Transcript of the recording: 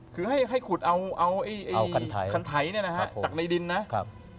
คือให้ขุดเอาคันไถจากในดินนะ